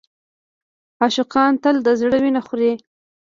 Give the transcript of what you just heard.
عاشقان تل د زړه وینه خوري.